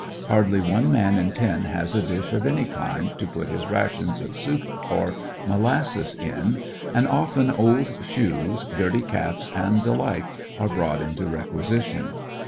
Hardly one man in ten has a dish of any kind to put his rations of soup or molasses ^n, and often old shoes, dirty caps and the like are brought into requisition.